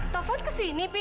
taufan kesini pi